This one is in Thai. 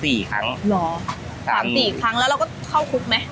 หรอ๓๔ครั้งแล้วเราก็เข้าคุกมั้ย